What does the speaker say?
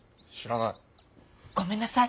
ごめんなさい。